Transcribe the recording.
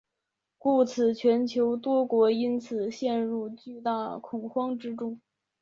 故此全球多国因此陷入巨大恐慌之中。